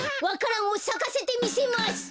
わか蘭をさかせてみせます！